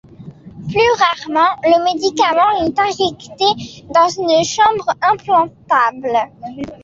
Plus rarement, le médicament est injecté dans une chambre implantable.